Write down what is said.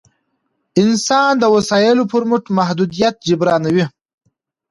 انسان د وسایلو پر مټ محدودیت جبرانوي.